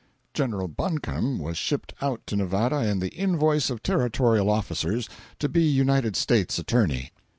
General Buncombe was shipped out to Nevada in the invoice of Territorial officers, to be United States Attorney.